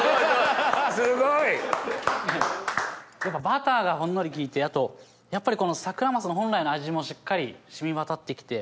バターがほんのり効いてやっぱりサクラマス本来の味もしっかり染みわたって来て。